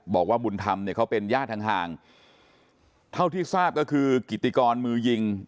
บอกว่าบุญธรรมเนี่ยเขาเป็นญาติห่างเท่าที่ทราบก็คือกิติกรมือยิง